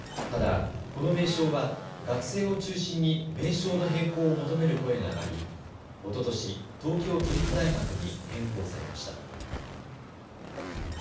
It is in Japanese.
ただ、この名称は学生を中心に名称の変更を求める声が上がりおととし東京都立大学に変更されました。